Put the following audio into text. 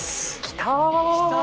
きた！